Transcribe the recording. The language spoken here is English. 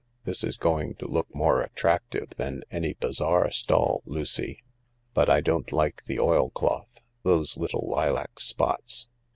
This is going to look more attractive than any bazaar stall, Lucy. But I don't like the oilcloth— those little lilac spots.